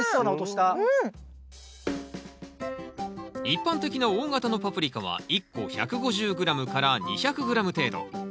一般的な大型のパプリカは一個１５０ｇ２００ｇ程度。